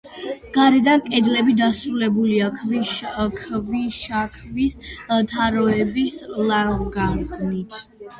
გარედან კედლები დასრულებულია ქვიშაქვის თაროსებრი ლავგარდნით.